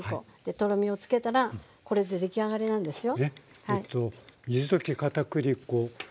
とろみをつけたらこれで出来上がりなんですよ。